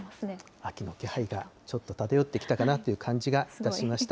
秋の気配がちょっと漂ってきたかなという感じがいたしました。